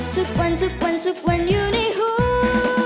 ทุกวันทุกวันทุกวันอยู่ในหู